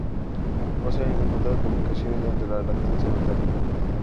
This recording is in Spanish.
No se han encontrado complicaciones durante la lactancia materna.